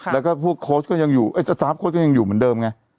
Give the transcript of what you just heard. แล้วก็พวกสตาร์ฟโค้ดก็ยังอยู่เหมือนเดิม